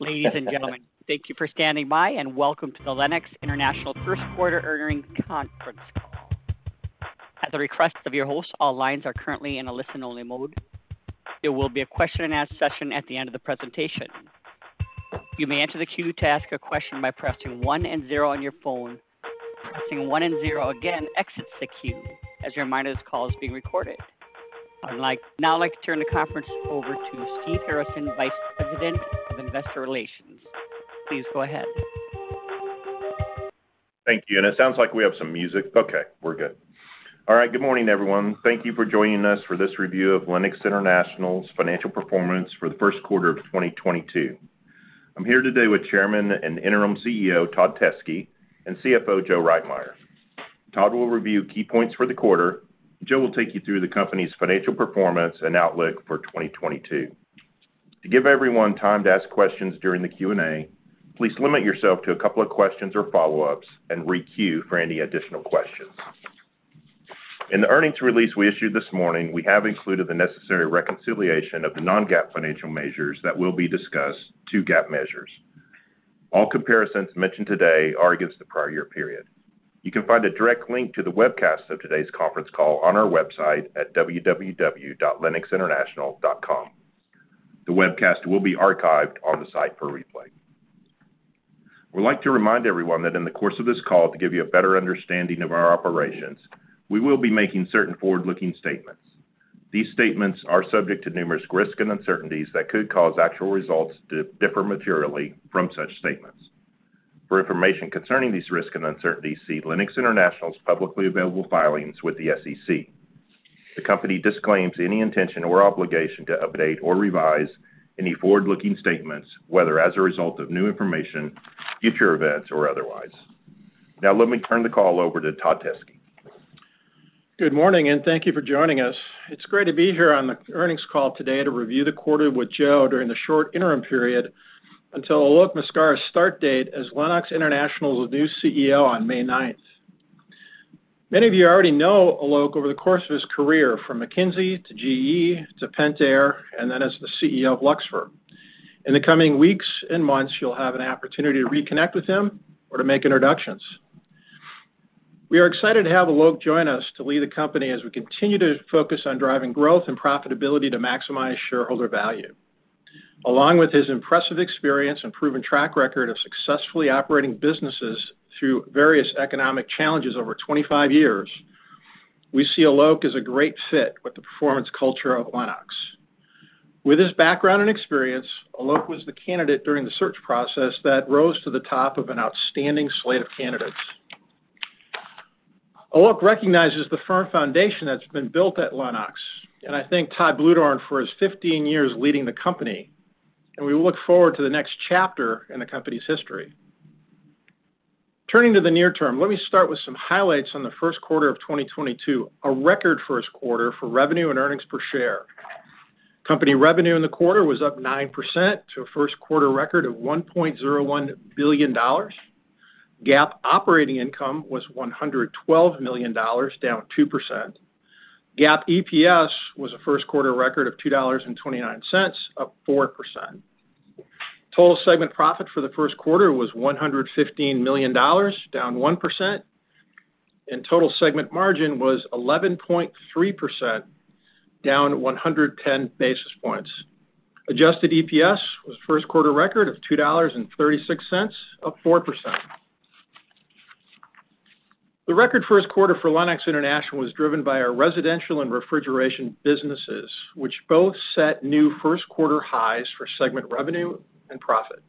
Ladies and gentlemen, thank you for standing by, and welcome to the Lennox International First Quarter Earnings Conference Call. At the request of your host, all lines are currently in a listen-only mode. There will be a question-and-answer session at the end of the presentation. You may enter the queue to ask a question by pressing one and zero on your phone. Pressing one and zero again exits the queue. As a reminder, this call is being recorded. Now I'd like to turn the conference over to Steve Harrison, Vice President of Investor Relations. Please go ahead. Good morning, everyone. Thank you for joining us for this review of Lennox International's financial performance for the first quarter of 2022. I'm here today with Chairman and Interim CEO Todd Teske and CFO Joe Reitmeier. Todd will review key points for the quarter. Joe will take you through the company's financial performance and outlook for 2022. To give everyone time to ask questions during the Q&A, please limit yourself to a couple of questions or follow-ups and re-queue for any additional questions. In the earnings release we issued this morning, we have included the necessary reconciliation of the non-GAAP financial measures that will be discussed to GAAP measures. All comparisons mentioned today are against the prior year period. You can find a direct link to the webcast of today's conference call on our website at www.lennoxinternational.com. The webcast will be archived on the site for replay. We'd like to remind everyone that in the course of this call to give you a better understanding of our operations, we will be making certain forward-looking statements. These statements are subject to numerous risks and uncertainties that could cause actual results to differ materially from such statements. For information concerning these risks and uncertainties, see Lennox International's publicly available filings with the SEC. The company disclaims any intention or obligation to update or revise any forward-looking statements, whether as a result of new information, future events, or otherwise. Now, let me turn the call over to Todd Teske. Good morning, and thank you for joining us. It's great to be here on the earnings call today to review the quarter with Joe during the short interim period until Alok Maskara's start date as Lennox International's new CEO on May 9th. Many of you already know Alok over the course of his career from McKinsey to GE to Pentair, and then as the CEO of Luxfer. In the coming weeks and months, you'll have an opportunity to reconnect with him or to make introductions. We are excited to have Alok join us to lead the company as we continue to focus on driving growth and profitability to maximize shareholder value. Along with his impressive experience and proven track record of successfully operating businesses through various economic challenges over 25 years, we see Alok as a great fit with the performance culture of Lennox. With his background and experience, Alok was the candidate during the search process that rose to the top of an outstanding slate of candidates. Alok recognizes the firm foundation that's been built at Lennox, and I thank Todd Bluedorn for his 15 years leading the company, and we look forward to the next chapter in the company's history. Turning to the near term, let me start with some highlights on the first quarter of 2022, a record first quarter for revenue and earnings per share. Company revenue in the quarter was up 9% to a first quarter record of $1.01 billion. GAAP operating income was $112 million, down 2%. GAAP EPS was a first quarter record of $2.29, up 4%. Total segment profit for the first quarter was $115 million, down 1%, and total segment margin was 11.3%, down 110 basis points. Adjusted EPS was first-quarter record of $2.36, up 4%. The record first quarter for Lennox International was driven by our residential and refrigeration businesses, which both set new first-quarter highs for segment revenue and profit.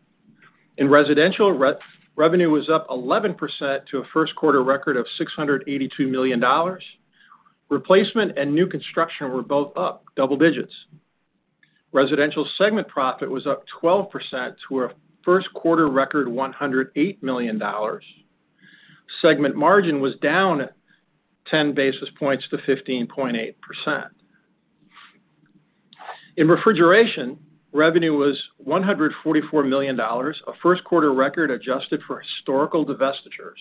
In residential, revenue was up 11% to a first-quarter record of $682 million. Replacement and new construction were both up double digits. Residential segment profit was up 12% to a first-quarter record $108 million. Segment margin was down 10 basis points to 15.8%. In refrigeration, revenue was $144 million, a first-quarter record adjusted for historical divestitures.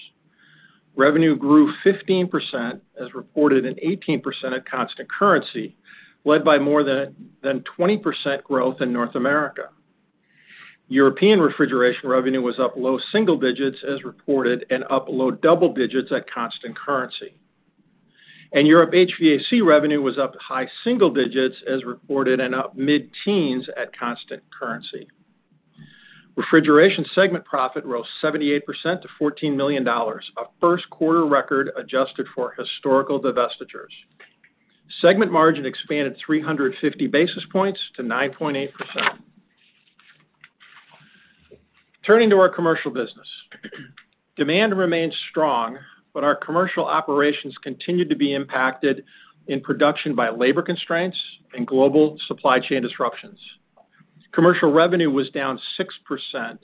Revenue grew 15%, as reported, and 18% at constant currency, led by more than 20% growth in North America. European refrigeration revenue was up low single digits, as reported, and up low double digits at constant currency. Europe HVAC revenue was up high single digits, as reported, and up mid-teens at constant currency. Refrigeration segment profit rose 78% to $14 million, a first quarter record adjusted for historical divestitures. Segment margin expanded 350 basis points to 9.8%. Turning to our commercial business. Demand remains strong, but our commercial operations continued to be impacted in production by labor constraints and global supply chain disruptions. Commercial revenue was down 6%,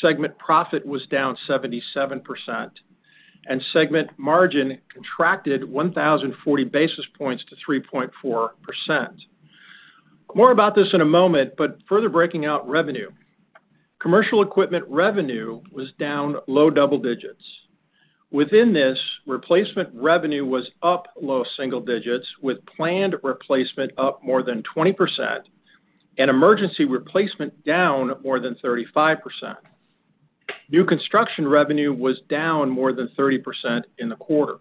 segment profit was down 77%, and segment margin contracted 1,040 basis points to 3.4%. More about this in a moment, but further breaking out revenue. Commercial equipment revenue was down low double digits. Within this, replacement revenue was up low single digits, with planned replacement up more than 20% and emergency replacement down more than 35%. New construction revenue was down more than 30% in the quarter.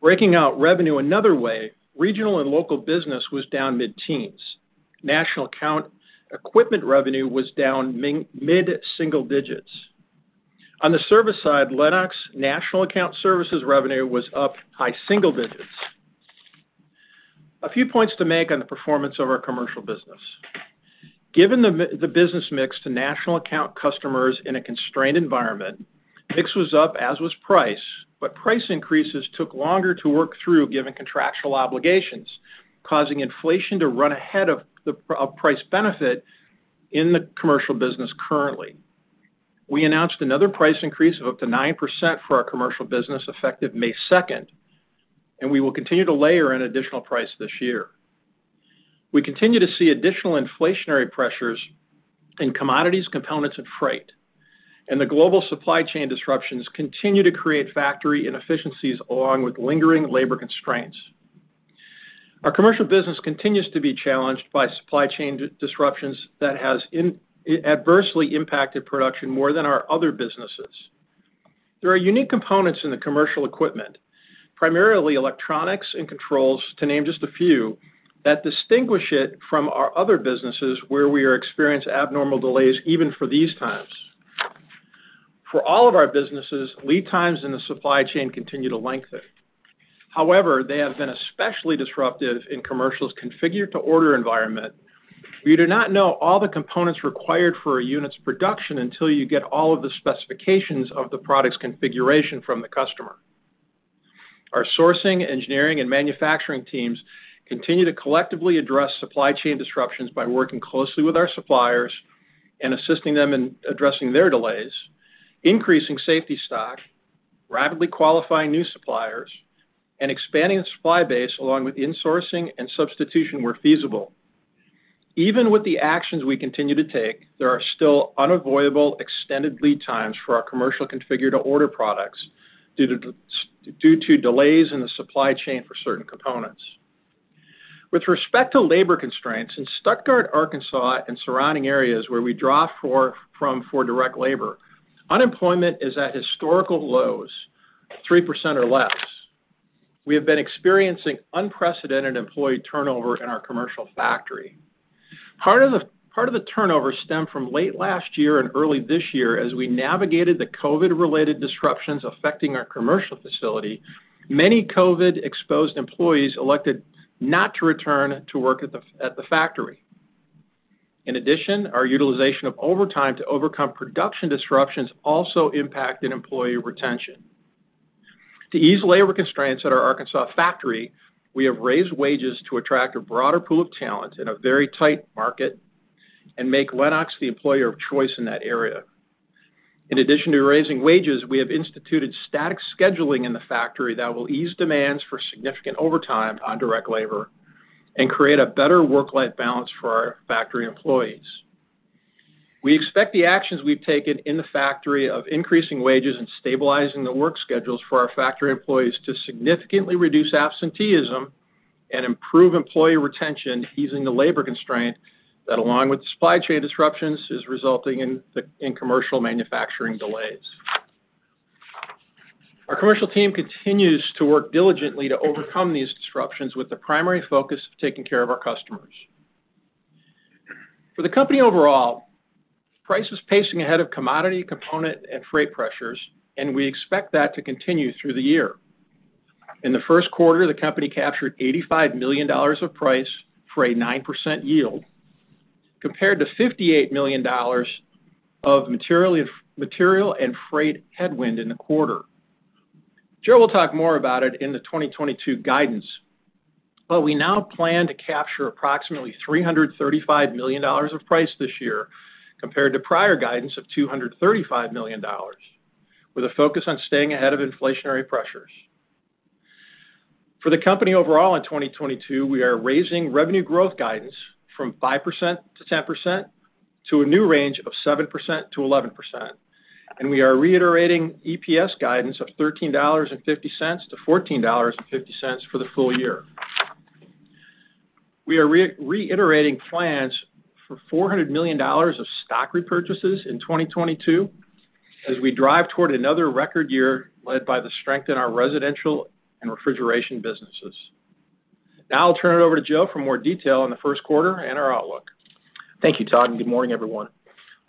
Breaking out revenue another way, regional and local business was down mid-teens. National account equipment revenue was down mid single digits. On the service side, Lennox National Account Services revenue was up high single digits. A few points to make on the performance of our commercial business. Given the business mix to national account customers in a constrained environment, mix was up, as was price, but price increases took longer to work through given contractual obligations, causing inflation to run ahead of price benefit in the commercial business currently. We announced another price increase of up to 9% for our commercial business effective May 2, and we will continue to layer in additional price this year. We continue to see additional inflationary pressures in commodities, components, and freight, and the global supply chain disruptions continue to create factory inefficiencies, along with lingering labor constraints. Our commercial business continues to be challenged by supply chain disruptions that has adversely impacted production more than our other businesses. There are unique components in the commercial equipment, primarily electronics and controls, to name just a few, that distinguish it from our other businesses, where we are experiencing abnormal delays even for these times. For all of our businesses, lead times in the supply chain continue to lengthen. However, they have been especially disruptive in commercial's configure-to-order environment. We do not know all the components required for a unit's production until you get all of the specifications of the product's configuration from the customer. Our sourcing, engineering, and manufacturing teams continue to collectively address supply chain disruptions by working closely with our suppliers and assisting them in addressing their delays, increasing safety stock, rapidly qualifying new suppliers, and expanding the supply base, along with insourcing and substitution where feasible. Even with the actions we continue to take, there are still unavoidable extended lead times for our commercial configure-to-order products due to delays in the supply chain for certain components. With respect to labor constraints, in Stuttgart, Arkansas, and surrounding areas where we draw from for direct labor, unemployment is at historical lows, 3% or less. We have been experiencing unprecedented employee turnover in our commercial factory. Part of the turnover stemmed from late last year and early this year as we navigated the COVID-related disruptions affecting our commercial facility. Many COVID-exposed employees elected not to return to work at the factory. In addition, our utilization of overtime to overcome production disruptions also impacted employee retention. To ease labor constraints at our Arkansas factory, we have raised wages to attract a broader pool of talent in a very tight market and make Lennox the employer of choice in that area. In addition to raising wages, we have instituted static scheduling in the factory that will ease demands for significant overtime on direct labor and create a better work-life balance for our factory employees. We expect the actions we've taken in the factory of increasing wages and stabilizing the work schedules for our factory employees to significantly reduce absenteeism and improve employee retention, easing the labor constraint that, along with supply chain disruptions, is resulting in commercial manufacturing delays. Our commercial team continues to work diligently to overcome these disruptions with the primary focus of taking care of our customers. For the company overall, price is pacing ahead of commodity, component, and freight pressures, and we expect that to continue through the year. In the first quarter, the company captured $85 million of price, for a 9% yield, compared to $58 million of material and freight headwind in the quarter. Joe will talk more about it in the 2022 guidance, but we now plan to capture approximately $335 million of price this year compared to prior guidance of $235 million, with a focus on staying ahead of inflationary pressures. For the company overall in 2022, we are raising revenue growth guidance from 5%-10% to a new range of 7%-11%, and we are reiterating EPS guidance of $13.50-$14.50 for the full year. We are reiterating plans for $400 million of stock repurchases in 2022 as we drive toward another record year led by the strength in our residential and refrigeration businesses. Now I'll turn it over to Joe for more detail on the first quarter and our outlook. Thank you, Todd, and good morning, everyone.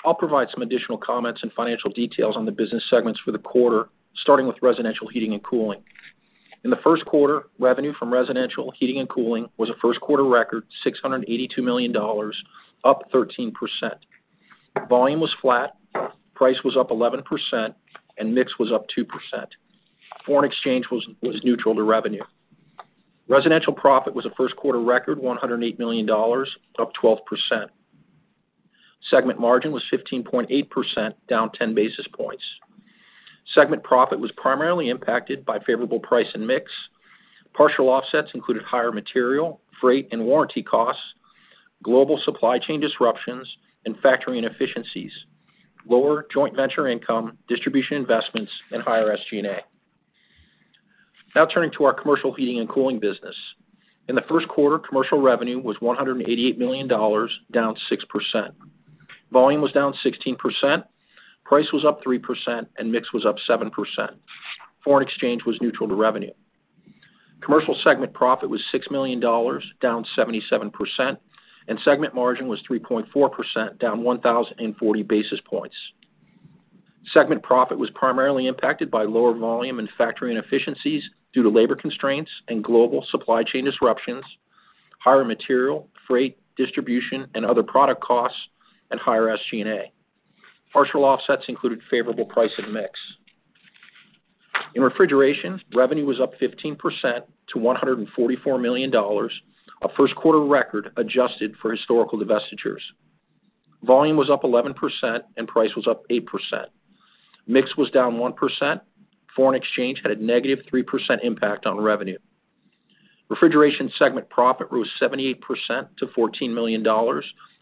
I'll provide some additional comments and financial details on the business segments for the quarter, starting with residential, heating, and cooling. In the first quarter, revenue from residential, heating, and cooling was a first quarter record, $682 million, up 13%. Volume was flat, price was up 11%, and mix was up 2%. Foreign exchange was neutral to revenue. Residential profit was a first quarter record, $108 million, up 12%. Segment margin was 15.8%, down 10 basis points. Segment profit was primarily impacted by favorable price and mix. Partial offsets included higher material, freight, and warranty costs. Global supply chain disruptions and factory inefficiencies, lower joint venture income, distribution investments and higher SG&A. Now turning to our commercial heating and cooling business. In the first quarter, commercial revenue was $188 million, down 6%. Volume was down 16%. Price was up 3%, and mix was up 7%. Foreign exchange was neutral to revenue. Commercial segment profit was $6 million, down 77%, and segment margin was 3.4%, down 1,040 basis points. Segment profit was primarily impacted by lower volume and factory inefficiencies due to labor constraints and global supply chain disruptions, higher material, freight, distribution and other product costs, and higher SG&A. Partial offsets included favorable price and mix. In refrigeration, revenue was up 15% to $144 million, a first quarter record adjusted for historical divestitures. Volume was up 11% and price was up 8%. Mix was down 1%. Foreign exchange had a -3% impact on revenue. Refrigeration segment profit rose 78% to $14 million,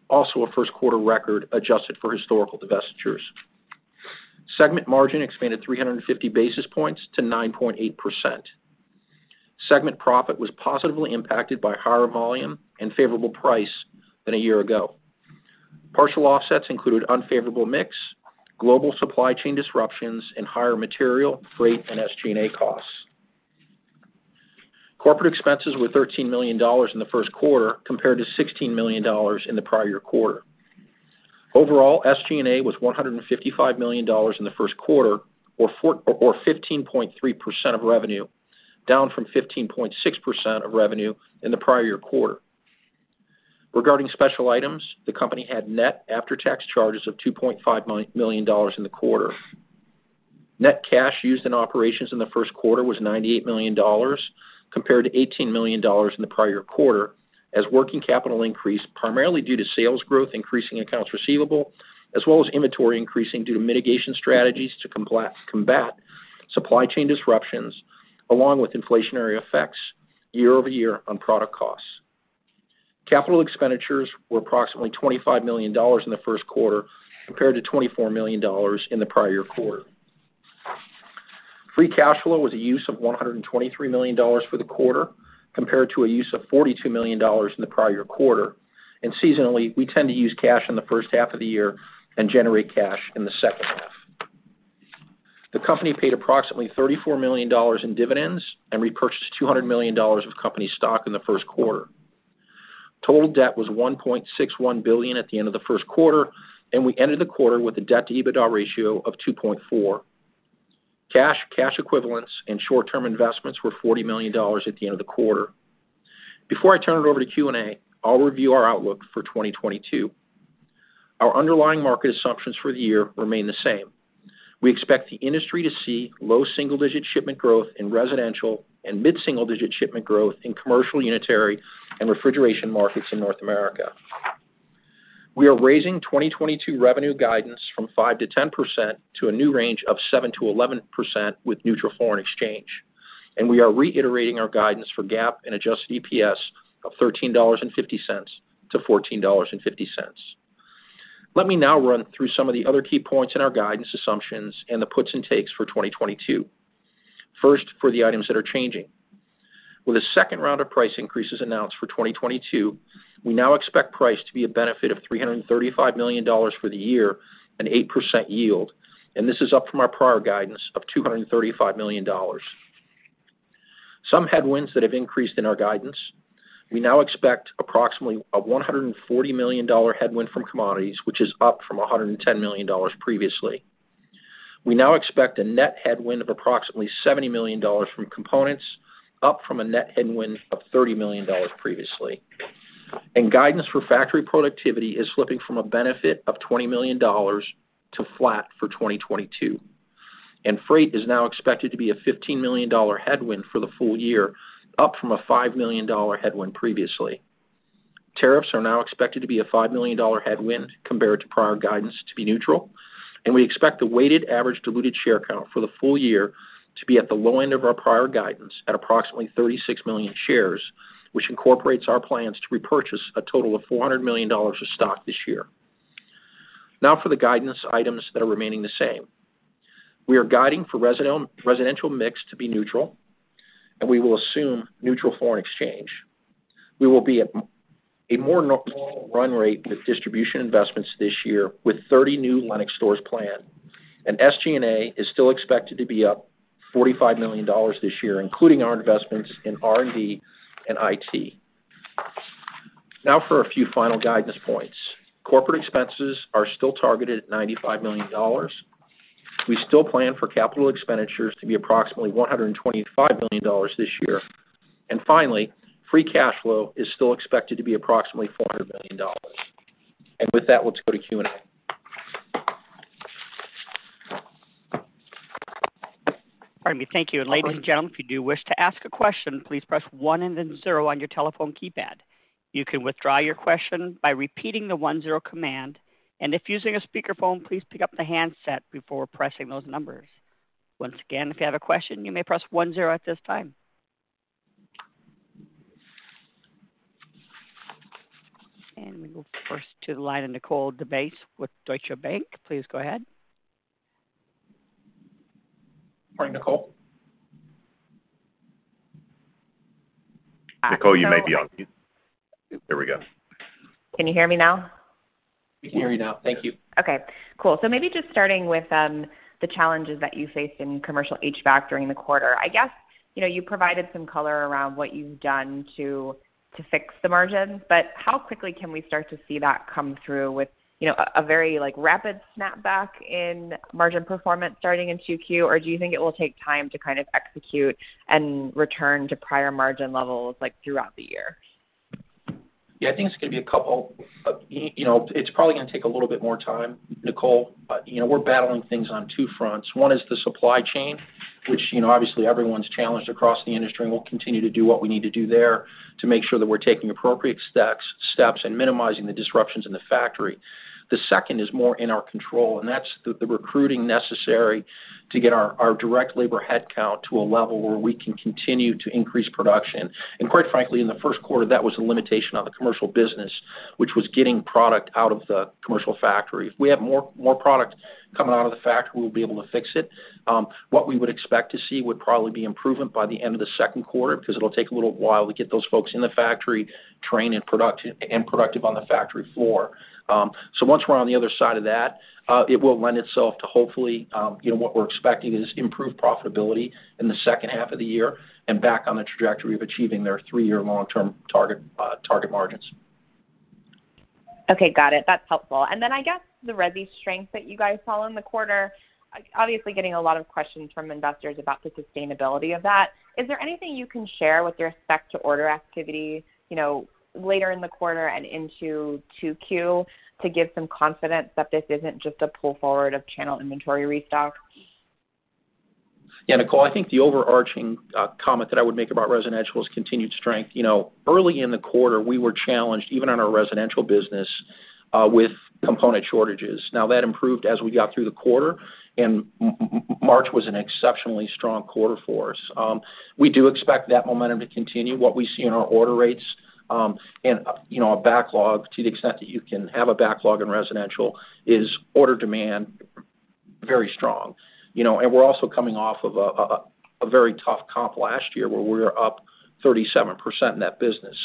also a first quarter record adjusted for historical divestitures. Segment margin expanded 350 basis points to 9.8%. Segment profit was positively impacted by higher volume and favorable price than a year ago. Partial offsets included unfavorable mix, global supply chain disruptions and higher material, freight and SG&A costs. Corporate expenses were $13 million in the first quarter compared to $16 million in the prior quarter. Overall, SG&A was $155 million in the first quarter or 15.3% of revenue, down from 15.6% of revenue in the prior year quarter. Regarding special items, the company had net after-tax charges of $2.5 million in the quarter. Net cash used in operations in the first quarter was $98 million compared to $18 million in the prior quarter, as working capital increased primarily due to sales growth, increasing accounts receivable, as well as inventory increasing due to mitigation strategies to combat supply chain disruptions, along with inflationary effects year-over-year on product costs. Capital expenditures were approximately $25 million in the first quarter compared to $24 million in the prior quarter. Free cash flow was a use of $123 million for the quarter compared to a use of $42 million in the prior quarter. Seasonally, we tend to use cash in the first half of the year and generate cash in the second half. The company paid approximately $34 million in dividends and repurchased $200 million of company stock in the first quarter. Total debt was $1.61 billion at the end of the first quarter, and we ended the quarter with a debt-to-EBITDA ratio of 2.4x. Cash, cash equivalents and short-term investments were $40 million at the end of the quarter. Before I turn it over to Q&A, I'll review our outlook for 2022. Our underlying market assumptions for the year remain the same. We expect the industry to see low single-digit shipment growth in residential and mid-single digit shipment growth in commercial unitary and refrigeration markets in North America. We are raising 2022 revenue guidance from 5%-10% to a new range of 7%-11% with neutral foreign exchange, and we are reiterating our guidance for GAAP and adjusted EPS of $13.50-$14.50. Let me now run through some of the other key points in our guidance assumptions and the puts and takes for 2022. First, for the items that are changing. With a second round of price increases announced for 2022, we now expect price to be a benefit of $335 million for the year and 8% yield, and this is up from our prior guidance of $235 million. Some headwinds that have increased in our guidance. We now expect approximately a $140 million headwind from commodities, which is up from $110 million previously. We now expect a net headwind of approximately $70 million from components, up from a net headwind of $30 million previously. Guidance for factory productivity is slipping from a benefit of $20 million to flat for 2022. Freight is now expected to be a $15 million headwind for the full year, up from a $5 million headwind previously. Tariffs are now expected to be a $5 million headwind compared to prior guidance to be neutral. We expect the weighted average diluted share count for the full year to be at the low end of our prior guidance at approximately 36 million shares, which incorporates our plans to repurchase a total of $400 million of stock this year. Now for the guidance items that are remaining the same. We are guiding for residential mix to be neutral, and we will assume neutral foreign exchange. We will be at a more normal run rate with distribution investments this year with 30 new Lennox stores planned. SG&A is still expected to be up $45 million this year, including our investments in R&D and IT. Now for a few final guidance points. Corporate expenses are still targeted at $95 million. We still plan for capital expenditures to be approximately $125 million this year. Finally, free cash flow is still expected to be approximately $400 million. With that, let's go to Q&A. Pardon me. Thank you. And ladies and gentlemen, if you do wish to ask a question, please press one and then zero on your telephone keypad. You can withdraw your question by repeating the one zero command. And if using a speakerphone, please pick up the handset before pressing those numbers. Once again, if you have a question, you may press one zero at this time. We go first to the line of Nicole DeBlase with Deutsche Bank. Please go ahead. Morning, Nicole. Nicole, you may be on mute. There we go. Can you hear me now? We can hear you now. Thank you. Okay, cool. Maybe just starting with the challenges that you faced in commercial HVAC during the quarter. I guess, you know, you provided some color around what you've done to fix the margins, but how quickly can we start to see that come through with, you know, a very, like, rapid snapback in margin performance starting in 2Q? Or do you think it will take time to kind of execute and return to prior margin levels, like, throughout the year? Yeah, I think it's probably gonna take a little bit more time, Nicole. You know, we're battling things on two fronts. One is the supply chain, which, you know, obviously everyone's challenged across the industry, and we'll continue to do what we need to do there to make sure that we're taking appropriate steps and minimizing the disruptions in the factory. The second is more in our control, and that's the recruiting necessary to get our direct labor headcount to a level where we can continue to increase production. Quite frankly, in the first quarter, that was a limitation on the commercial business, which was getting product out of the commercial factory. If we have more product coming out of the factory, we'll be able to fix it. What we would expect to see would probably be improvement by the end of the second quarter because it'll take a little while to get those folks in the factory trained and productive on the factory floor. Once we're on the other side of that, it will lend itself to hopefully, you know, what we're expecting is improved profitability in the second half of the year and back on the trajectory of achieving their three-year long-term target margins. Okay, got it. That's helpful. Then I guess the resi strength that you guys saw in the quarter, obviously getting a lot of questions from investors about the sustainability of that. Is there anything you can share with respect to order activity, you know, later in the quarter and into 2Q to give some confidence that this isn't just a pull forward of channel inventory restock? Yeah, Nicole, I think the overarching comment that I would make about residential is continued strength. You know, early in the quarter, we were challenged even on our residential business with component shortages. Now, that improved as we got through the quarter, and March was an exceptionally strong quarter for us. We do expect that momentum to continue. What we see in our order rates and, you know, a backlog to the extent that you can have a backlog in residential is order demand very strong. You know, we're also coming off of a very tough comp last year where we were up 37% in that business.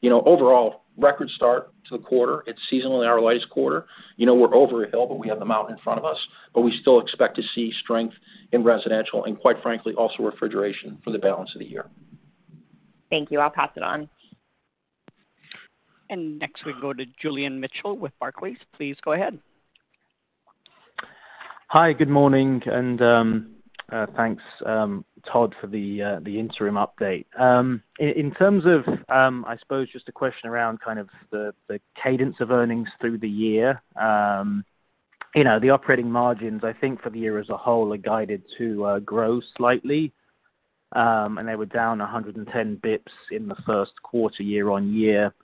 You know, overall, record start to the quarter. It's seasonally our lightest quarter. You know, we're over a hill, but we have the mountain in front of us, but we still expect to see strength in residential and quite frankly, also refrigeration for the balance of the year. Thank you. I'll pass it on. Next we go to Julian Mitchell with Barclays. Please go ahead. Hi, good morning, and thanks, Todd, for the interim update. In terms of, I suppose just a question around kind of the cadence of earnings through the year. You know, the operating margins, I think, for the year as a whole are guided to grow slightly, and they were down 110 bps in the first quarter year-over-year.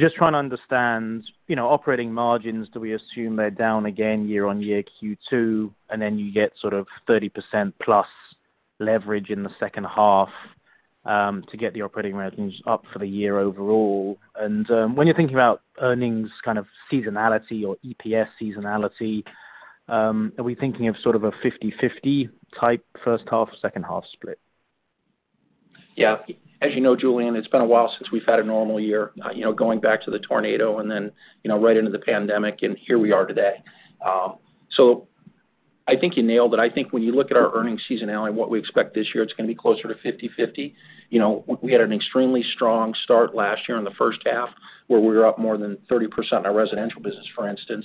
Just trying to understand, you know, operating margins, do we assume they're down again year-over-year Q2, and then you get sort of 30%+ leverage in the second half, to get the operating margins up for the year overall? When you're thinking about earnings kind of seasonality or EPS seasonality, are we thinking of sort of a 50/50 type first half, second half split? Yeah. As you know, Julian, it's been a while since we've had a normal year. You know, going back to the tornado and then, you know, right into the pandemic, and here we are today. I think you nailed it. I think when you look at our earnings seasonality and what we expect this year, it's gonna be closer to 50/50. You know, we had an extremely strong start last year in the first half, where we were up more than 30% in our residential business, for instance.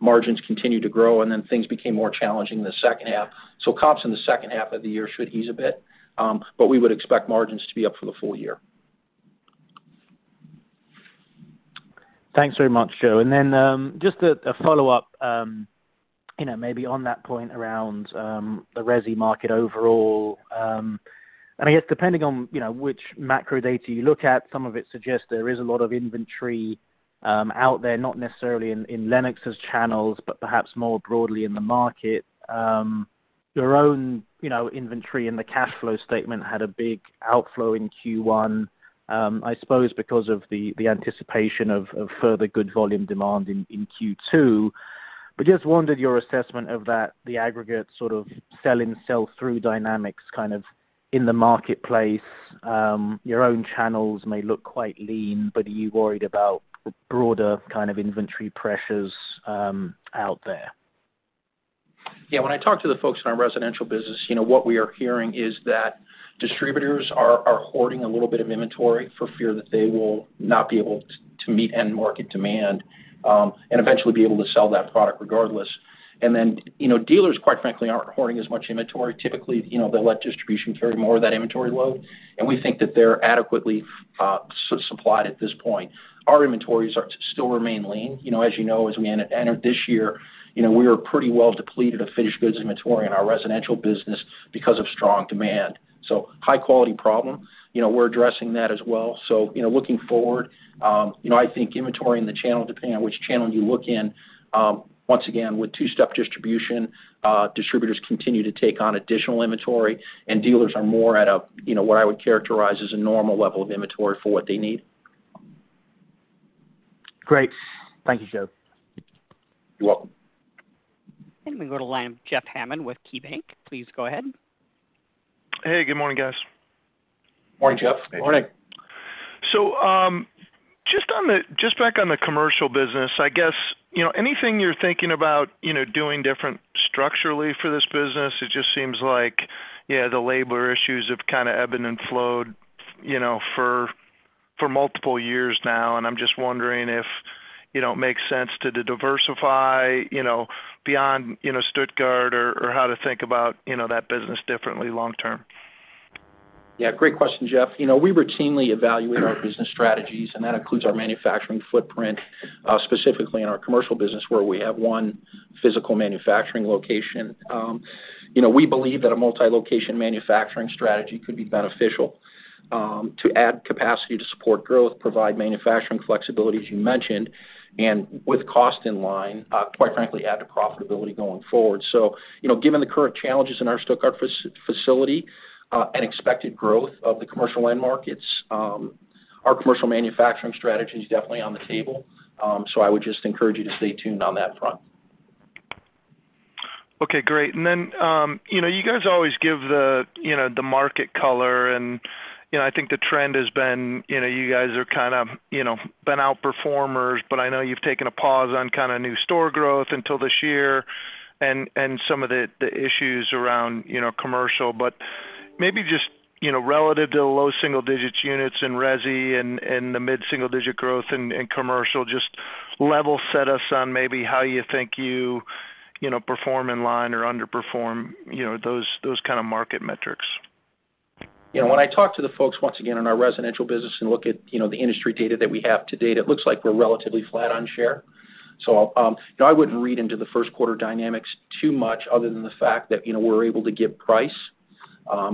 Margins continued to grow, and then things became more challenging in the second half. Comps in the second half of the year should ease a bit, but we would expect margins to be up for the full year. Thanks very much, Joe. Just a follow-up, you know, maybe on that point around the resi market overall. I guess depending on, you know, which macro data you look at, some of it suggests there is a lot of inventory out there, not necessarily in Lennox's channels, but perhaps more broadly in the market. Your own, you know, inventory and the cash flow statement had a big outflow in Q1, I suppose because of the anticipation of further good volume demand in Q2. Just wondered your assessment of that, the aggregate sort of sell in sell-through dynamics kind of in the marketplace. Your own channels may look quite lean, but are you worried about the broader kind of inventory pressures out there? Yeah, when I talk to the folks in our residential business, you know, what we are hearing is that distributors are hoarding a little bit of inventory for fear that they will not be able to meet end market demand, and eventually be able to sell that product regardless. Then, you know, dealers, quite frankly, aren't hoarding as much inventory. Typically, you know, they let distribution carry more of that inventory load, and we think that they're adequately supplied at this point. Our inventories still remain lean. You know, as you know, as we entered this year, you know, we were pretty well depleted of finished goods inventory in our residential business because of strong demand. High quality problem, you know, we're addressing that as well. You know, looking forward, you know, I think inventory in the channel, depending on which channel you look in, once again, with two-step distribution, distributors continue to take on additional inventory, and dealers are more at a, you know, what I would characterize as a normal level of inventory for what they need. Great. Thank you, Joe. You're welcome. We go to Jeff Hammond with KeyBanc, please go ahead. Hey, Good morning, guys. Morning, Jeff. Morning. Just back on the commercial business, I guess, you know, anything you're thinking about, you know, doing different structurally for this business? It just seems like, yeah, the labor issues have kinda ebbed and flowed, you know, for multiple years now, and I'm just wondering if, you know, it makes sense to diversify, you know, beyond, you know, Stuttgart or how to think about, you know, that business differently long term. Yeah, great question, Jeff. You know, we routinely evaluate our business strategies, and that includes our manufacturing footprint, specifically in our commercial business where we have one physical manufacturing location. You know, we believe that a multi-location manufacturing strategy could be beneficial, to add capacity to support growth, provide manufacturing flexibility, as you mentioned, and with cost in line, quite frankly add to profitability going forward. You know, given the current challenges in our Stuttgart facility, and expected growth of the commercial end markets, our commercial manufacturing strategy is definitely on the table. I would just encourage you to stay tuned on that front. Okay, great. You know, you guys always give the, you know, the market color and, you know, I think the trend has been, you know, you guys are kind of, you know, been outperformers, but I know you've taken a pause on kinda new store growth until this year and some of the issues around, you know, commercial. Maybe just, you know, relative to the low single digits units in resi and the mid-single digit growth in commercial, just level set us on maybe how you think you know, perform in line or underperform, you know, those kind of market metrics. You know, when I talk to the folks, once again, in our residential business and look at, you know, the industry data that we have to date, it looks like we're relatively flat on share. I wouldn't read into the first quarter dynamics too much other than the fact that, you know, we're able to give price.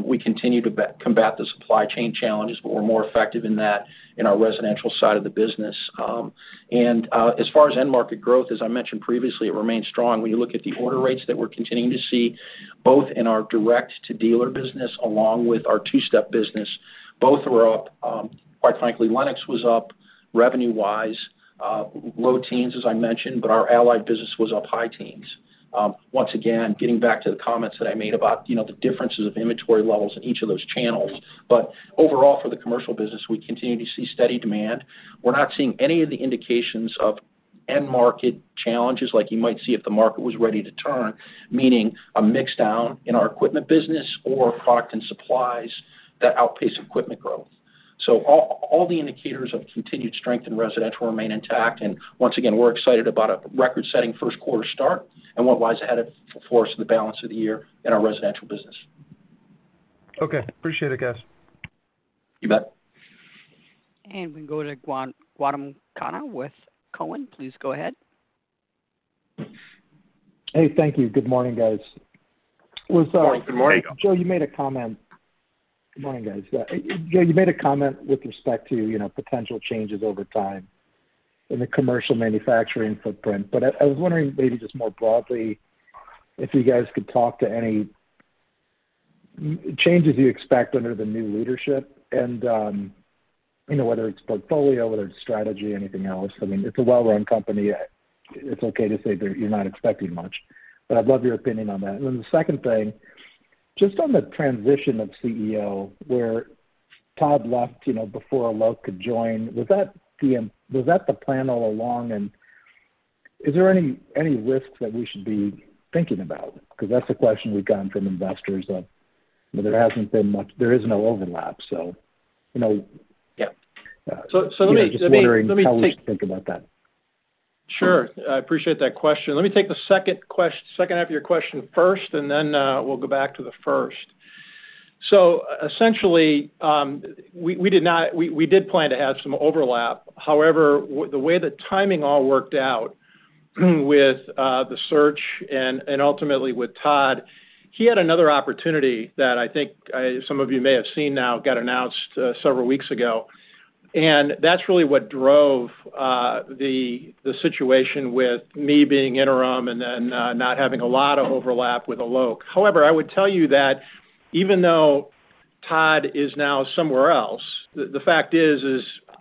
We continue to combat the supply chain challenges, but we're more effective in that in our residential side of the business. As far as end market growth, as I mentioned previously, it remains strong. When you look at the order rates that we're continuing to see, both in our direct to dealer business along with our two-step business, both are up. Quite frankly, Lennox was up revenue-wise low teens, as I mentioned, but our Allied business was up high teens. Once again, getting back to the comments that I made about, you know, the differences of inventory levels in each of those channels. Overall, for the commercial business, we continue to see steady demand. We're not seeing any of the indications of end market challenges like you might see if the market was ready to turn, meaning a mix down in our equipment business or product and supplies that outpace equipment growth. All the indicators of continued strength in residential remain intact. Once again, we're excited about a record-setting first quarter start and what lies ahead of, for us in the balance of the year in our residential business. Okay, appreciate it, guys. You bet. We go to Gautam Khanna with Cowen. Please go ahead. Hey, thank you. Good morning, guys. Good morning. Good morning. Good morning, guys. Joe, you made a comment with respect to, you know, potential changes over time in the commercial manufacturing footprint, but I was wondering maybe just more broadly if you guys could talk to any changes you expect under the new leadership and, you know, whether it's portfolio, whether it's strategy, anything else. I mean, it's a well-run company. It's okay to say that you're not expecting much, but I'd love your opinion on that. Then the second thing, just on the transition of CEO, where Todd left, you know, before Alok could join, was that the plan all along? Is there any risk that we should be thinking about? Because that's the question we've gotten from investors, but there hasn't been much. There is no overlap, so you know. Yeah. Yeah. So, so let me- Just wondering how we should think about that. Sure. I appreciate that question. Let me take the second half of your question first, and then we'll go back to the first. Essentially, we did plan to have some overlap. However, the way the timing all worked out with the search and ultimately with Todd, he had another opportunity that I think some of you may have seen now got announced several weeks ago. That's really what drove the situation with me being interim and then not having a lot of overlap with Alok. However, I would tell you that even though Todd is now somewhere else, the fact is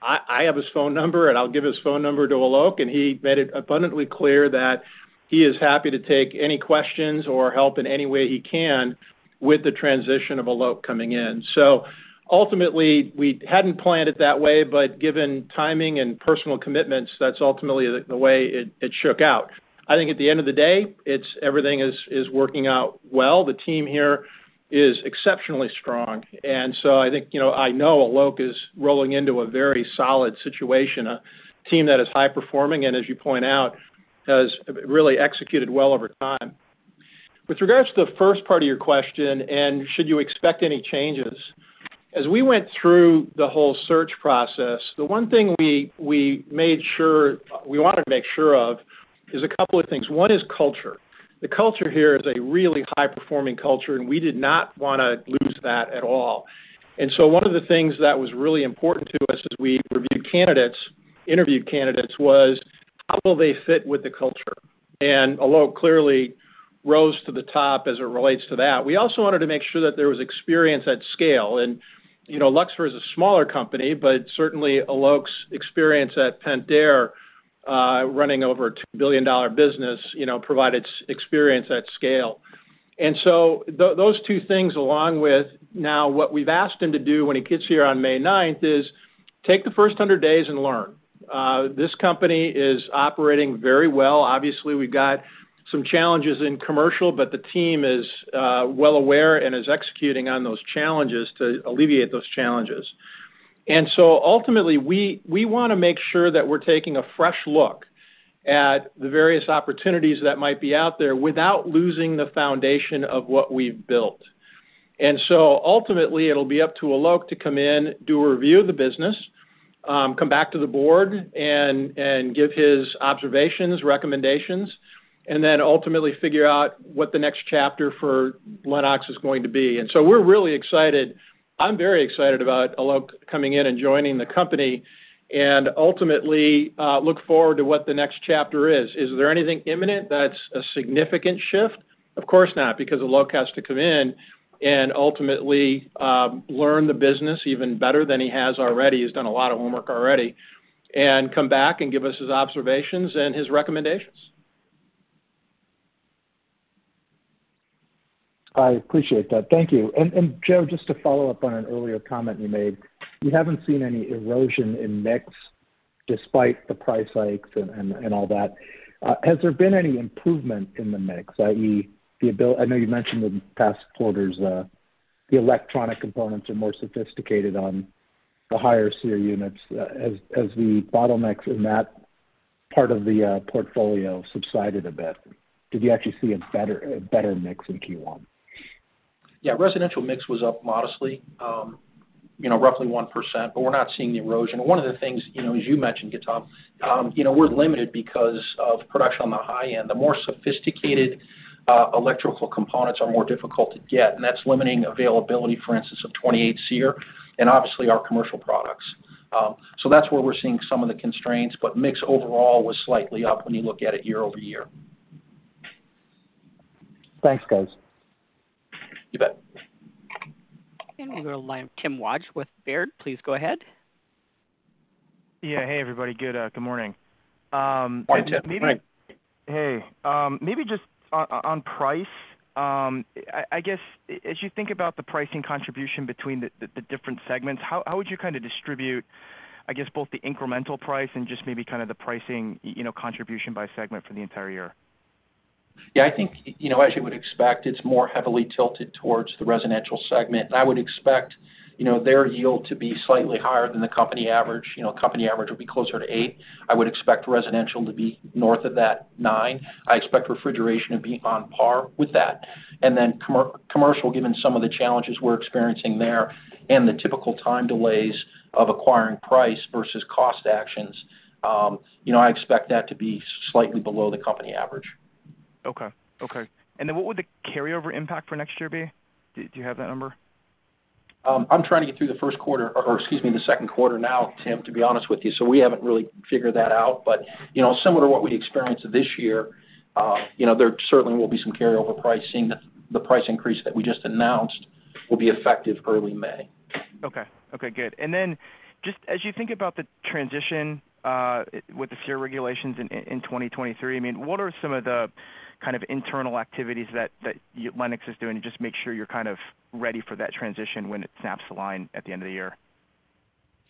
I have his phone number, and I'll give his phone number to Alok, and he made it abundantly clear that he is happy to take any questions or help in any way he can with the transition of Alok coming in. Ultimately, we hadn't planned it that way, but given timing and personal commitments, that's ultimately the way it shook out. I think at the end of the day, it's everything is working out well. The team here is exceptionally strong. I think, you know, I know Alok is rolling into a very solid situation, a team that is high performing and, as you point out, has really executed well over time. With regards to the first part of your question and should you expect any changes, as we went through the whole search process, the one thing we made sure we wanted to make sure of is a couple of things. One is culture. The culture here is a really high-performing culture, and we did not wanna lose that at all. One of the things that was really important to us as we reviewed candidates, interviewed candidates was how will they fit with the culture? Alok clearly rose to the top as it relates to that. We also wanted to make sure that there was experience at scale. You know, Luxfer is a smaller company, but certainly Alok's experience at Pentair, running over a $2 billion business, you know, provided experience at scale. Those two things along with now what we've asked him to do when he gets here on May 9th is take the first 100 days and learn. This company is operating very well. Obviously, we've got some challenges in commercial, but the team is well aware and is executing on those challenges to alleviate those challenges. Ultimately, we wanna make sure that we're taking a fresh look at the various opportunities that might be out there without losing the foundation of what we've built. Ultimately, it'll be up to Alok to come in, do a review of the business, come back to the board and give his observations, recommendations, and then ultimately figure out what the next chapter for Lennox is going to be. We're really excited. I'm very excited about Alok coming in and joining the company, and ultimately, look forward to what the next chapter is. Is there anything imminent that's a significant shift? Of course not, because Alok has to come in and ultimately, learn the business even better than he has already. He's done a lot of homework already, and come back and give us his observations and his recommendations. I appreciate that. Thank you. Joe, just to follow up on an earlier comment you made, you haven't seen any erosion in mix despite the price hikes and all that. Has there been any improvement in the mix? That is, I know you mentioned in past quarters, the electronic components are more sophisticated on the higher SEER units. As the bottlenecks in that part of the portfolio subsided a bit, did you actually see a better mix in Q1? Yeah, residential mix was up modestly, you know, roughly 1%, but we're not seeing the erosion. One of the things, you know, as you mentioned, Gautam, you know, we're limited because of production on the high end. The more sophisticated, electrical components are more difficult to get, and that's limiting availability, for instance, of 28 SEER and obviously our commercial products. So that's where we're seeing some of the constraints, but mix overall was slightly up when you look at it year-over-year. Thanks, guys. You bet. We'll go to line of Tim Wojs with Baird. Please go ahead. Yeah. Hey, everybody. Good morning. Morning, Tim. Hey. Maybe just on price, I guess, as you think about the pricing contribution between the different segments, how would you kind of distribute, I guess, both the incremental price and just maybe kind of the pricing, you know, contribution by segment for the entire year? Yeah, I think, you know, as you would expect, it's more heavily tilted towards the Residential segment. I would expect, you know, their yield to be slightly higher than the company average. You know, company average will be closer to 8%. I would expect Residential to be north of that 9%. I expect Refrigeration to be on par with that. Commercial, given some of the challenges we're experiencing there and the typical time delays of acquiring price versus cost actions, you know, I expect that to be slightly below the company average. Okay. What would the carryover impact for next year be? Do you have that number? I'm trying to get through the first quarter or excuse me, the second quarter now, Tim, to be honest with you. We haven't really figured that out. You know, similar to what we experienced this year, you know, there certainly will be some carryover pricing. The price increase that we just announced will be effective early May. Okay, good. Just as you think about the transition, with the SEER regulations in 2023, I mean, what are some of the kind of internal activities that Lennox is doing to just make sure you're kind of ready for that transition when it snaps the line at the end of the year?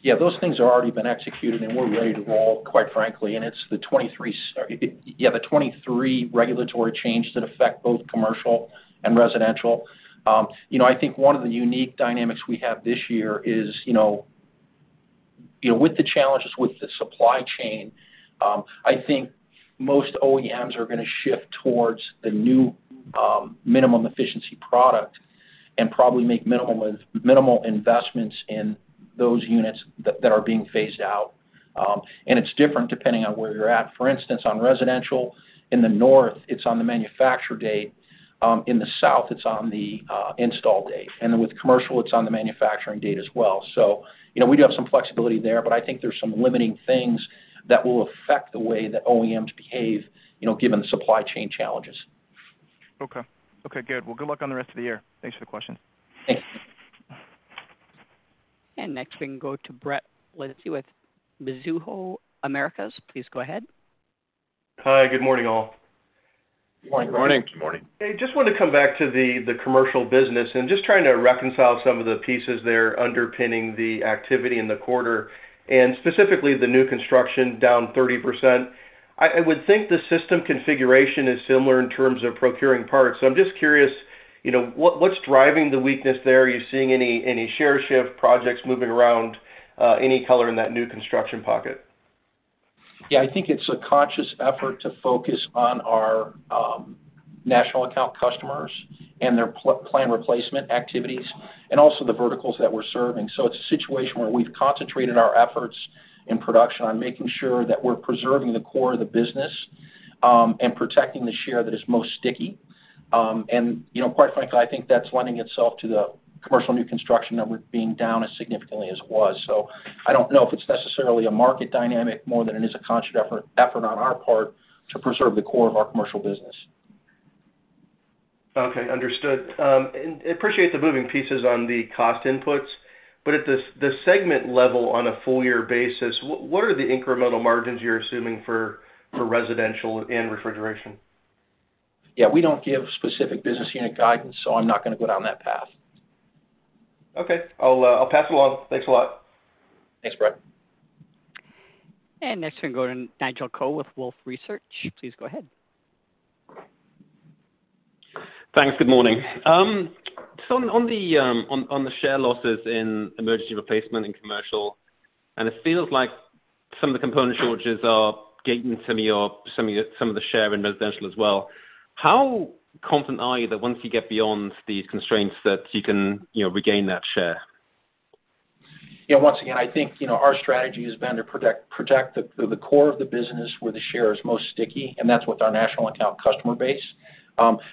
Yeah, those things have already been executed, and we're ready to roll, quite frankly. It's the 23 regulatory changes that affect both commercial and residential. You know, I think one of the unique dynamics we have this year is, you know, with the challenges with the supply chain. I think most OEMs are gonna shift towards the new minimum efficiency product and probably make minimal investments in those units that are being phased out. It's different depending on where you're at. For instance, on residential in the North, it's on the manufacture date. In the South, it's on the install date. With commercial, it's on the manufacturing date as well. You know, we do have some flexibility there, but I think there's some limiting things that will affect the way that OEMs behave, you know, given the supply chain challenges. Okay. Okay, good. Well, good luck on the rest of the year. Thanks for the question. Thanks. Next we can go to Brett Linzey with Mizuho Americas. Please go ahead. Hi. Good morning, all. Good morning. Good morning. Good morning. Hey, just wanted to come back to the commercial business, and just trying to reconcile some of the pieces there underpinning the activity in the quarter and specifically the new construction down 30%. I would think the system configuration is similar in terms of procuring parts. I'm just curious, you know, what's driving the weakness there? Are you seeing any share shift, projects moving around, any color in that new construction pocket? Yeah. I think it's a conscious effort to focus on our national account customers and their plan replacement activities and also the verticals that we're serving. It's a situation where we've concentrated our efforts in production on making sure that we're preserving the core of the business, and protecting the share that is most sticky. You know, quite frankly, I think that's lending itself to the commercial new construction numbers being down as significantly as it was. I don't know if it's necessarily a market dynamic more than it is a conscious effort on our part to preserve the core of our commercial business. Okay, understood. Appreciate the moving pieces on the cost inputs. At the segment level on a full year basis, what are the incremental margins you're assuming for residential and refrigeration? Yeah, we don't give specific business unit guidance, so I'm not gonna go down that path. Okay. I'll pass it along. Thanks a lot. Thanks, Brett. Next we're going to Nigel Coe with Wolfe Research. Please go ahead. Thanks. Good morning. On the share losses in emergency replacement in commercial, and it feels like some of the component shortages are gating some of your share in residential as well. How confident are you that once you get beyond these constraints that you can, you know, regain that share? Yeah. Once again, I think, you know, our strategy has been to protect the core of the business where the share is most sticky, and that's with our national account customer base.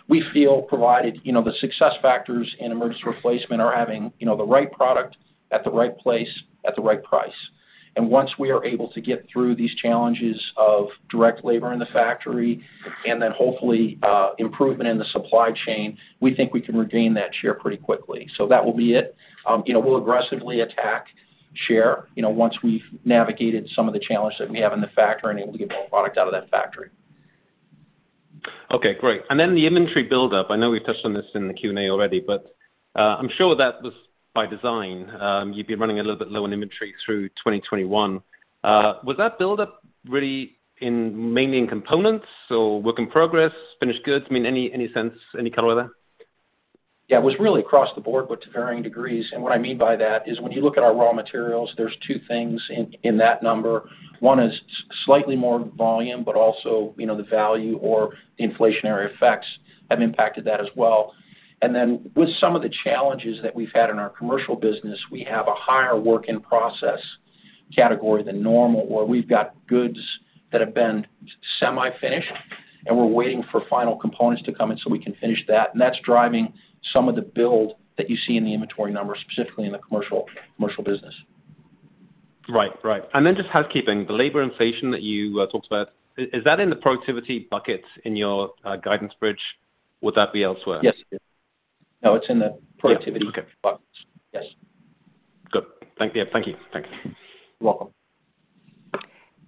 We feel provided, you know, the success factors in emergency replacement are having, you know, the right product at the right place at the right price. Once we are able to get through these challenges of direct labor in the factory and then hopefully, improvement in the supply chain, we think we can regain that share pretty quickly. That will be it. You know, we'll aggressively attack share, you know, once we've navigated some of the challenges that we have in the factory and able to get more product out of that factory. Okay. Great. The inventory buildup, I know we touched on this in the Q&A already, but I'm sure that was by design. You'd been running a little bit low on inventory through 2021. Was that buildup really mainly in components or work in progress, finished goods? I mean, any sense, any color there? Yeah, it was really across the board, but to varying degrees. What I mean by that is when you look at our raw materials, there's two things in that number. One is slightly more volume, but also, you know, the value or the inflationary effects have impacted that as well. Then with some of the challenges that we've had in our commercial business, we have a higher work in process category than normal, where we've got goods that have been semi-finished, and we're waiting for final components to come in so we can finish that. That's driving some of the build that you see in the inventory numbers, specifically in the commercial business. Right. Just housekeeping, the labor inflation that you talked about, is that in the productivity bucket in your guidance bridge? Would that be elsewhere? No, it's in the productivity. Yeah. Okay bucket. Yes. Good. Thank you. You're welcome.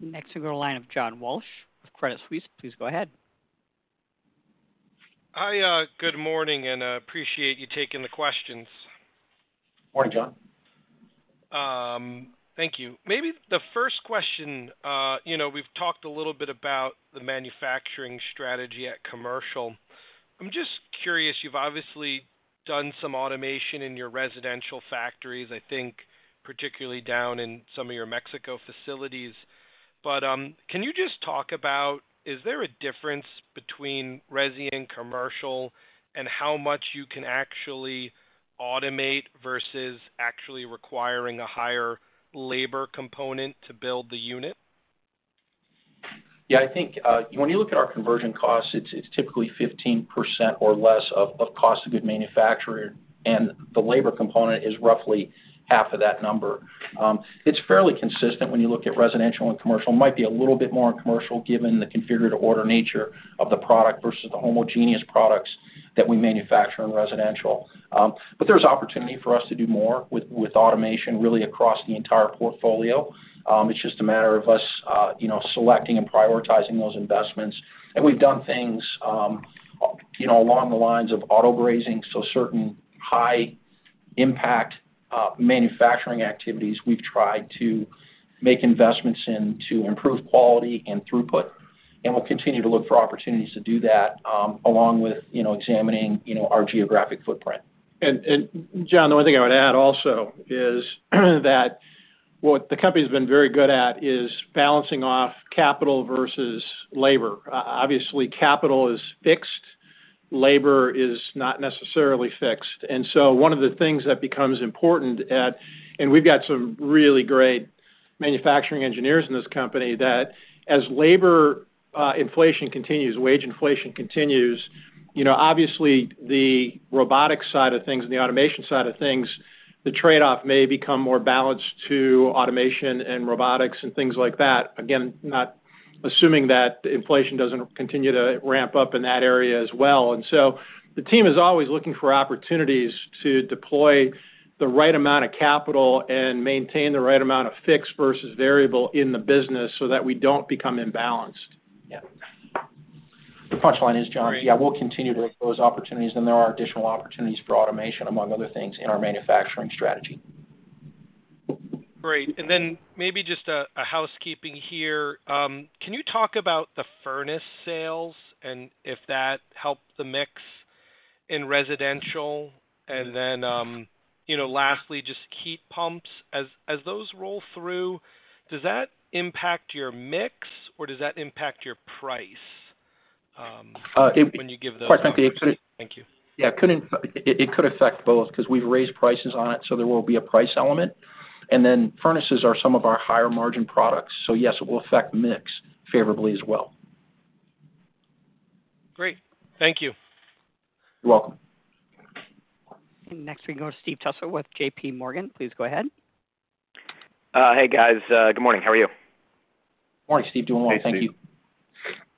Next we go to line of John Walsh with Credit Suisse. Please go ahead. Hi, good morning, and I appreciate you taking the questions. Morning, John. Thank you. Maybe the first question, you know, we've talked a little bit about the manufacturing strategy at commercial. I'm just curious, you've obviously done some automation in your residential factories, I think particularly down in some of your Mexico facilities. Can you just talk about, is there a difference between resi and commercial and how much you can actually automate versus actually requiring a higher labor component to build the unit? Yeah. I think when you look at our conversion costs, it's typically 15% or less of cost of goods manufactured, and the labor component is roughly half of that number. It's fairly consistent when you look at residential and commercial. Might be a little bit more in commercial given the configure-to-order nature of the product versus the homogeneous products that we manufacture in residential. But there's opportunity for us to do more with automation really across the entire portfolio. It's just a matter of us you know selecting and prioritizing those investments. We've done things you know along the lines of auto brazing. Certain high impact manufacturing activities we've tried to make investments in to improve quality and throughput. We'll continue to look for opportunities to do that, along with, you know, examining, you know, our geographic footprint. John, the only thing I would add also is that what the company's been very good at is balancing off capital versus labor. Obviously capital is fixed, labor is not necessarily fixed. One of the things that becomes important. We've got some really great manufacturing engineers in this company, that as labor inflation continues, wage inflation continues, you know, obviously the robotics side of things and the automation side of things, the trade-off may become more balanced to automation and robotics and things like that. Again, not assuming that inflation doesn't continue to ramp up in that area as well. The team is always looking for opportunities to deploy the right amount of capital and maintain the right amount of fixed versus variable in the business so that we don't become imbalanced. Yeah. The punchline is, John- Great Yeah, we'll continue to look for those opportunities, and there are additional opportunities for automation among other things in our manufacturing strategy. Great. Maybe just a housekeeping here. Can you talk about the furnace sales and if that helped the mix in residential? You know, lastly, just heat pumps. As those roll through, does that impact your mix, or does that impact your price? Uh, it- When you give the Quite frankly, it could. Thank you. Yeah, it could affect both because we've raised prices on it, so there will be a price element. Furnaces are some of our higher margin products. Yes, it will affect mix favorably as well. Great. Thank you. You're welcome. Next we go to Steve Tusa with JPMorgan. Please go ahead. Hey guys, good morning. How are you? Morning, Steve. Doing well. Thank you.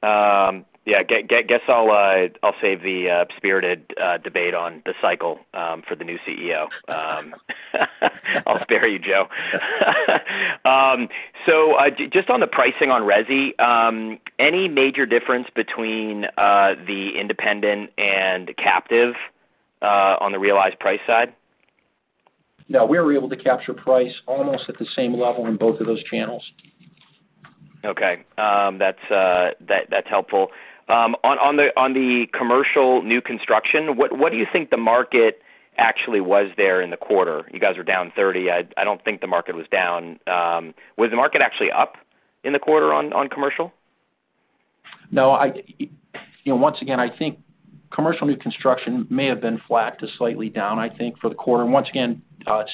Hey, Steve. Yeah, guess I'll save the spirited debate on the cycle for the new CEO. I'll spare you, Joe. Just on the pricing on resi, any major difference between the independent and captive on the realized price side? No, we're able to capture price almost at the same level in both of those channels. Okay. That's helpful. On the commercial new construction, what do you think the market actually was there in the quarter? You guys are down 30%. I don't think the market was down. Was the market actually up in the quarter on commercial? No, I, you know, once again, I think commercial new construction may have been flat to slightly down, I think, for the quarter. Once again,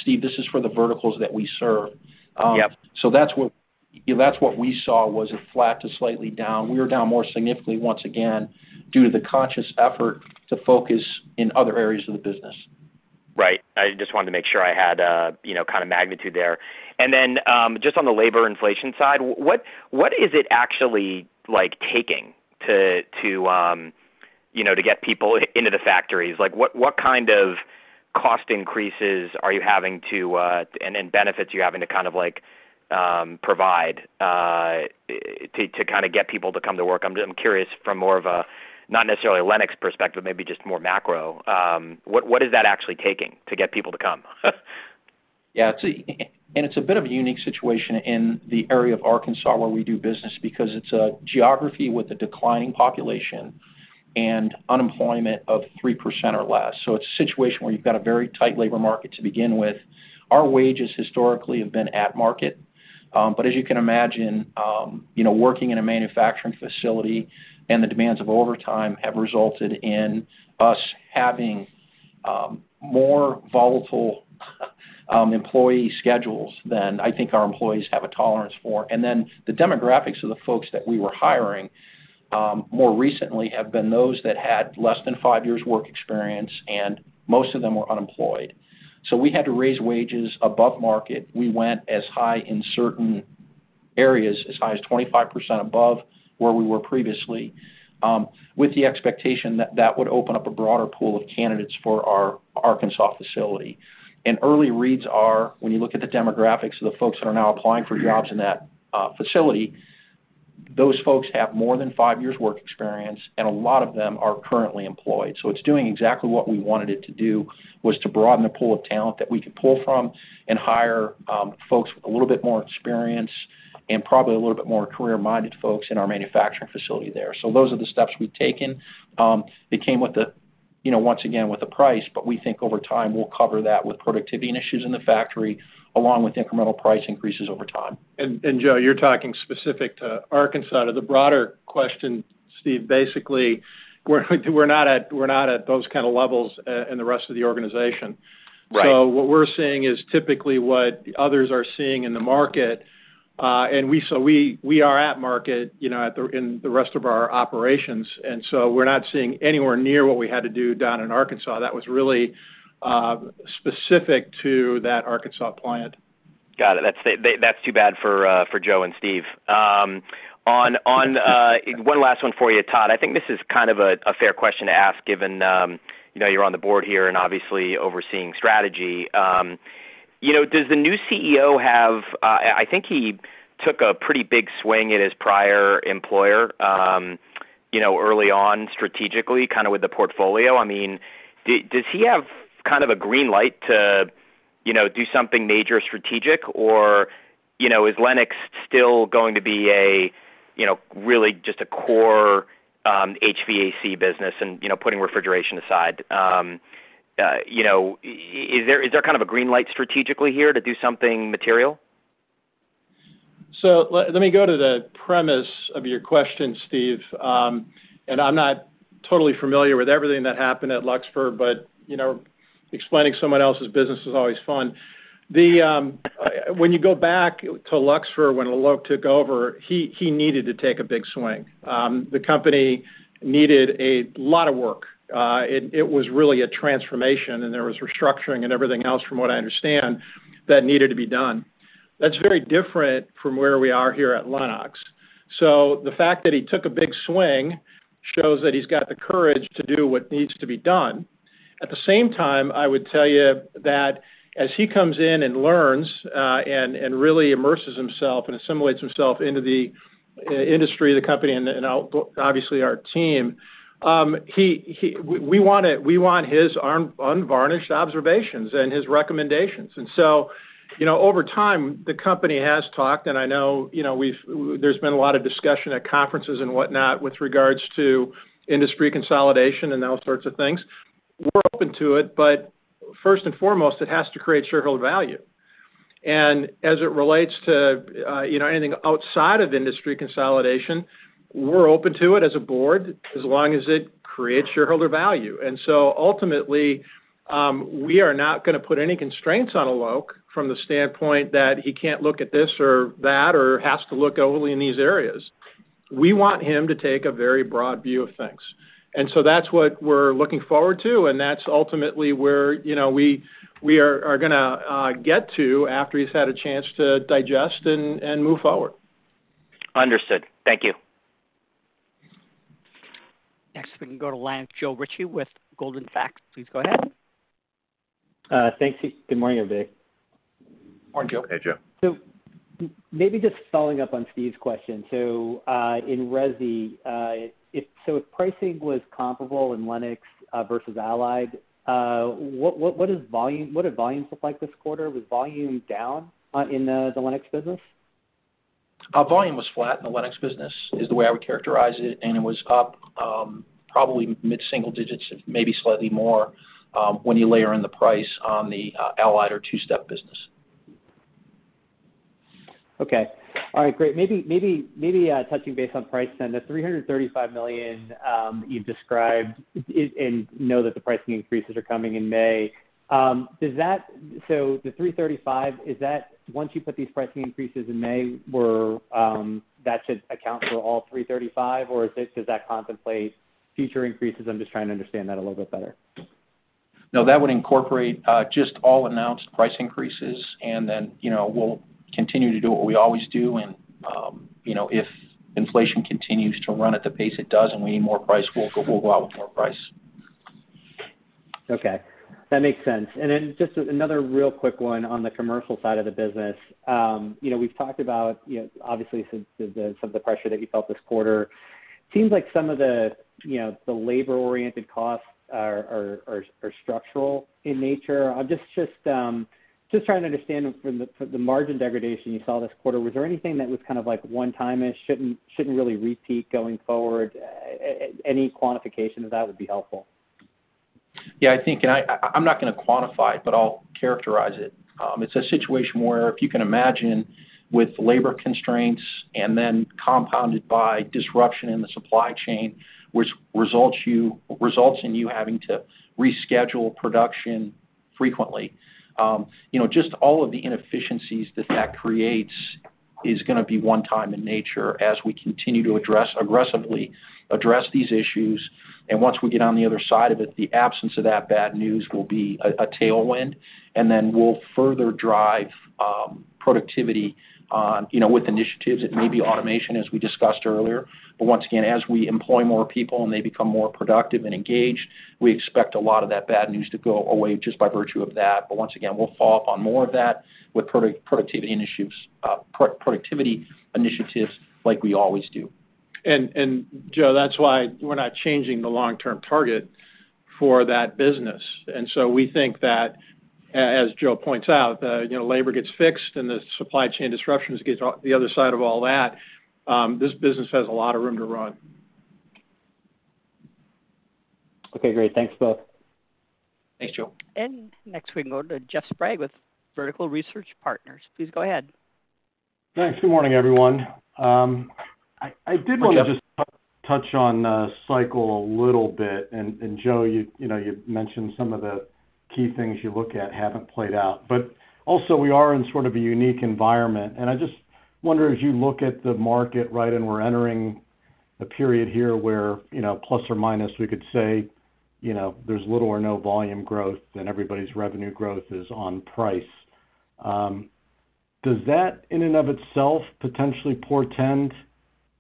Steve, this is for the verticals that we serve. Yep. That's what, you know, that's what we saw was a flat to slightly down. We were down more significantly once again, due to the conscious effort to focus in other areas of the business. Right. I just wanted to make sure I had, you know, kind of magnitude there. Just on the labor inflation side, what is it actually like taking to, you know, to get people into the factories? Like, what kind of cost increases are you having to, and benefits you're having to kind of like, provide, to kinda get people to come to work? I'm curious from more of a, not necessarily a Lennox perspective, maybe just more macro. What is that actually taking to get people to come? Yeah. See, it's a bit of a unique situation in the area of Arkansas where we do business because it's a geography with a declining population and unemployment of 3% or less. It's a situation where you've got a very tight labor market to begin with. Our wages historically have been at market. As you can imagine, you know, working in a manufacturing facility and the demands of overtime have resulted in us having more volatile employee schedules than I think our employees have a tolerance for. Then the demographics of the folks that we were hiring more recently have been those that had less than five years work experience, and most of them were unemployed. We had to raise wages above market. We went as high in certain areas, as high as 25% above where we were previously, with the expectation that that would open up a broader pool of candidates for our Arkansas facility. Early reads are, when you look at the demographics of the folks that are now applying for jobs in that facility, those folks have more than five years work experience, and a lot of them are currently employed. It's doing exactly what we wanted it to do, was to broaden the pool of talent that we could pull from and hire, folks with a little bit more experience and probably a little bit more career-minded folks in our manufacturing facility there. Those are the steps we've taken. It came with a price, you know, once again, but we think over time, we'll cover that with productivity initiatives in the factory, along with incremental price increases over time. Joe, you're talking specific to Arkansas. The broader question, Steve, basically, we're not at those kind of levels in the rest of the organization. Right. What we're seeing is typically what others are seeing in the market. We are at market, you know, in the rest of our operations, and we're not seeing anywhere near what we had to do down in Arkansas. That was really specific to that Arkansas plant. Got it. That's too bad for Joe and Steve. On one last one for you, Todd. I think this is kind of a fair question to ask given you know, you're on the board here and obviously overseeing strategy. You know, does the new CEO have I think he took a pretty big swing at his prior employer you know, early on strategically, kind of with the portfolio. I mean, does he have kind of a green light to you know, do something major strategic? Or you know, is Lennox still going to be a you know, really just a core HVAC business and you know, putting refrigeration aside? You know, is there kind of a green light strategically here to do something material? Let me go to the premise of your question, Steve. I'm not totally familiar with everything that happened at Luxfer, but you know, explaining someone else's business is always fun. When you go back to Luxfer, when Alok took over, he needed to take a big swing. The company needed a lot of work. It was really a transformation, and there was restructuring and everything else, from what I understand, that needed to be done. That's very different from where we are here at Lennox. The fact that he took a big swing shows that he's got the courage to do what needs to be done. At the same time, I would tell you that as he comes in and learns, and really immerses himself and assimilates himself into the industry, the company, and obviously our team, we want his unvarnished observations and his recommendations. You know, over time, the company has talked, and I know, you know, there's been a lot of discussion at conferences and whatnot with regards to industry consolidation and those sorts of things. We're open to it, but first and foremost, it has to create shareholder value. As it relates to, you know, anything outside of industry consolidation, we're open to it as a board as long as it creates shareholder value. Ultimately, we are not gonna put any constraints on Alok from the standpoint that he can't look at this or that or has to look only in these areas. We want him to take a very broad view of things. That's what we're looking forward to, and that's ultimately where, you know, we are gonna get to after he's had a chance to digest and move forward. Understood. Thank you. Next we can go to line with Joe Ritchie with Goldman Sachs. Please go ahead. Thanks. Good morning, everybody. Morning, Joe. Hey, Joe. Maybe just following up on Steve's question. In resi, if pricing was comparable in Lennox versus Allied, what did volume look like this quarter? Was volume down in the Lennox business? Our volume was flat in the Lennox business, is the way I would characterize it, and it was up, probably mid-single digits, maybe slightly more, when you layer in the price on the Allied or two-step business. Okay. All right, great. Maybe touching base on price then. The $335 million you've described, and I know that the pricing increases are coming in May, does that. The $335, is that once you put these pricing increases in May, will that account for all $335, or does that contemplate future increases? I'm just trying to understand that a little bit better. No, that would incorporate just all announced price increases. You know, we'll continue to do what we always do and, you know, if inflation continues to run at the pace it does and we need more price, we'll go out with more price. Okay. That makes sense. Then just another real quick one on the commercial side of the business. You know, we've talked about, you know, obviously some of the pressure that you felt this quarter. Seems like some of the, you know, the labor-oriented costs are structural in nature. I'm just trying to understand from the margin degradation you saw this quarter. Was there anything that was kind of like one-time-ish, shouldn't really repeat going forward? Any quantification of that would be helpful. Yeah, I think, I'm not gonna quantify it, but I'll characterize it. It's a situation where if you can imagine with labor constraints and then compounded by disruption in the supply chain, which results in you having to reschedule production frequently, you know, just all of the inefficiencies that creates is gonna be one time in nature as we continue to address aggressively these issues. Once we get on the other side of it, the absence of that bad news will be a tailwind, and then we'll further drive productivity on, you know, with initiatives. It may be automation, as we discussed earlier. Once again, as we employ more people and they become more productive and engaged, we expect a lot of that bad news to go away just by virtue of that. Once again, we'll follow up on more of that with productivity initiatives like we always do. Joe, that's why we're not changing the long-term target for that business. We think that as Joe points out, you know, labor gets fixed and the supply chain disruptions gets on the other side of all that, this business has a lot of room to run. Okay, great. Thanks, folks. Thanks, Joe. Next we can go to Jeff Sprague with Vertical Research Partners. Please go ahead. Thanks. Good morning, everyone. I did wanna just touch on cycle a little bit. Joe, you know, you mentioned some of the key things you look at haven't played out, but also we are in sort of a unique environment. I just wonder, as you look at the market, right, and we're entering a period here where, you know, plus or minus, we could say, you know, there's little or no volume growth and everybody's revenue growth is on price. Does that in and of itself potentially portend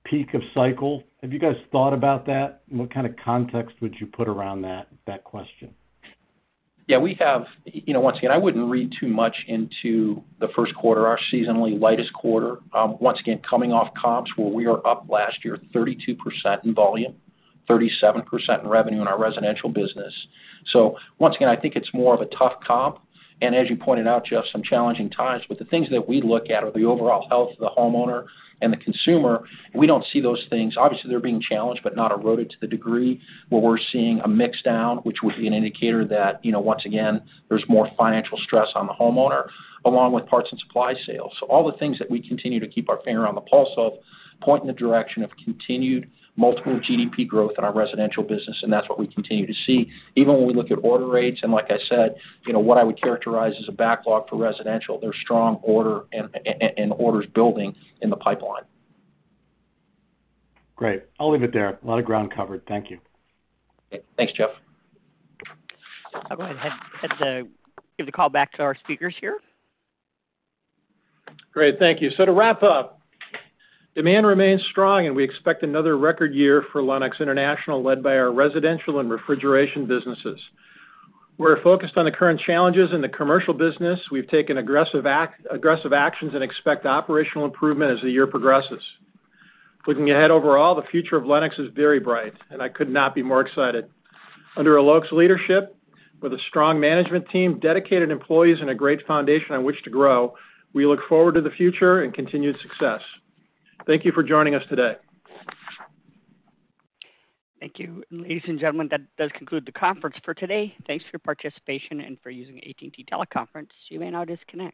peak of cycle? Have you guys thought about that? What kind of context would you put around that question? Yeah. You know, once again, I wouldn't read too much into the first quarter, our seasonally lightest quarter, once again, coming off comps where we were up last year 32% in volume, 37% in revenue in our residential business. Once again, I think it's more of a tough comp. As you pointed out, Jeff, some challenging times, but the things that we look at are the overall health of the homeowner and the consumer. We don't see those things. Obviously, they're being challenged, but not eroded to the degree where we're seeing a mix down, which would be an indicator that, you know, once again, there's more financial stress on the homeowner along with parts and supplies sales. All the things that we continue to keep our finger on the pulse of point in the direction of continued multiple GDP growth in our residential business, and that's what we continue to see. Even when we look at order rates, and like I said, you know, what I would characterize as a backlog for residential, there's strong order and orders building in the pipeline. Great. I'll leave it there. A lot of ground covered. Thank you. Thanks, Jeff. I'll go ahead and give the call back to our speakers here. Great. Thank you. To wrap up, demand remains strong, and we expect another record year for Lennox International led by our residential and refrigeration businesses. We're focused on the current challenges in the commercial business. We've taken aggressive actions and expect operational improvement as the year progresses. Looking ahead overall, the future of Lennox is very bright, and I could not be more excited. Under Alok's leadership with a strong management team, dedicated employees, and a great foundation on which to grow, we look forward to the future and continued success. Thank you for joining us today. Thank you. Ladies and gentlemen, that does conclude the conference for today. Thanks for your participation and for using AT&T Teleconference. You may now disconnect.